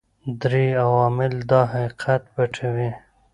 درې عوامل دا حقیقت پټوي.